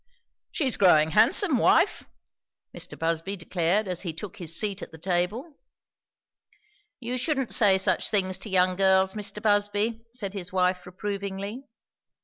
"She's growing handsome, wife!" Mr. Busby declared as he took his seat at the table. "You shouldn't say such things to young girls, Mr. Busby," said his wife reprovingly.